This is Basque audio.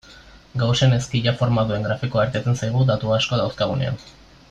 Gaussen ezkila forma duen grafikoa irteten zaigu datu asko dauzkagunean.